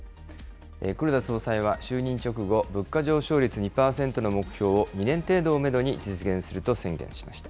黒田総裁は就任直後、物価上昇率２％の目標を２年程度をメドに実現すると宣言しました。